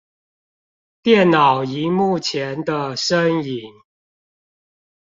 電腦螢幕前的身影